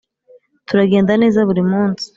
turagenda neza buri munsi